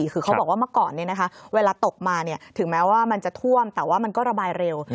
คือเขาบอกว่าเมื่อก่อนเวลาตกมาถึงแม้ว่ามันจะท่วมแต่ว่ามันก็ระบายเร็ว